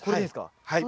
はい。